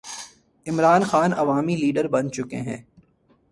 عمران خان عوامی لیڈر بن چکے ہیں۔